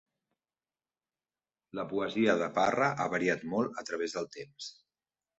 La poesia de Parra ha variat molt a través del temps.